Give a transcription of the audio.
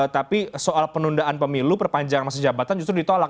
tapi soal penundaan pemilu perpanjangan masa jabatan justru ditolak